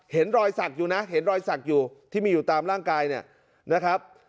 เห็นรอยสักอยู่นะเห็นรอยสักอยู่ที่มีอยู่ตามร่างกายเนี่ยนะครับ